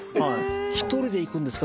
１人で行くんですか？